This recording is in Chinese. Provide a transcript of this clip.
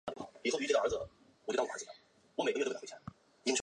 房角石是一属已灭绝的鹦鹉螺类。